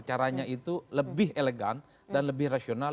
caranya itu lebih elegan dan lebih rasional